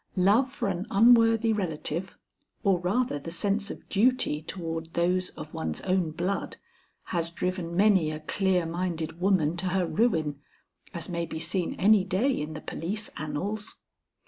Love for an unworthy relative, or rather the sense of duty toward those of one's own blood, has driven many a clear minded woman to her ruin, as may be seen any day in the police annals.